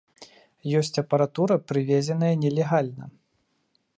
Ёсць апаратура, прывезеная нелегальна.